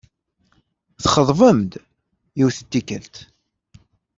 Txeḍbem-d, yiwet n tikkelt.